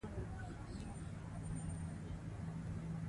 ادارې باید د خلکو غوښتنو ته ځواب ووایي